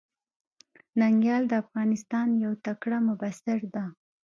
ننګيال د افغانستان يو تکړه مبصر ده.